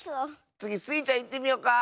つぎスイちゃんいってみよか！